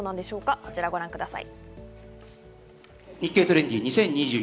こちらをご覧ください。